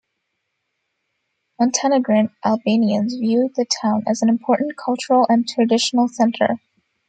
Montenegrin Albanians view the town as an important cultural and traditional center.